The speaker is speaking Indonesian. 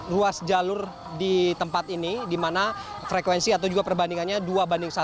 ruas jalur di tempat ini di mana frekuensi atau juga perbandingannya dua banding satu